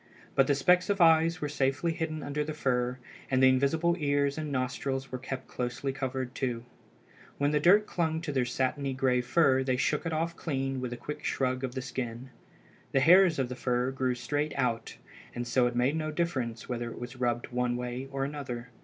But the specks of eyes were safely hidden under the fur, and the invisible ears and nostrils were kept closely covered too. When the dirt clung to their satiny gray fur they shook it off clean with a quick shrug of the skin. The hairs of the fur grew straight out, and so it made no difference whether it was rubbed one way or another.